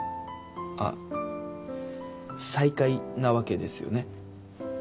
あっ再会なわけですよね？